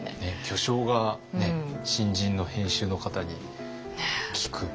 巨匠が新人の編集の方に聞く。